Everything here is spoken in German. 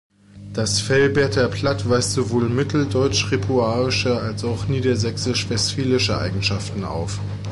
Das Velberter Platt weist sowohl mitteldeutsch-ripuarische als auch niedersächsisch-westfälische Eigenschaften auf.